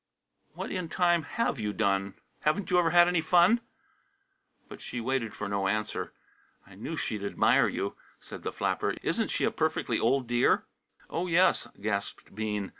"What in time have you done? Haven't you ever had any fun?" But she waited for no answer. "I knew she'd admire you," said the flapper. "Isn't she a perfectly old dear?" "Oh, yes!" gasped Bean.